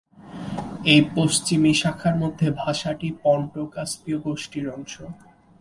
এই পশ্চিমি শাখার মধ্যে ভাষাটি পন্টো-কাস্পীয় গোষ্ঠীর অংশ।